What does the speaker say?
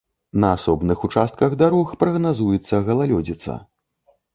На асобных участках дарог прагназуецца галалёдзіца.